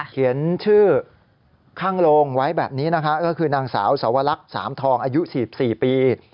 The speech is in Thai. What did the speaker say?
เขียนชื่อข้างโรงไว้แบบนี้นะคะก็คือนางสาวสวรรคสามทองอายุ๔๔ปี